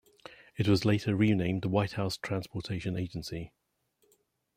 It was later renamed the White House Transportation Agency.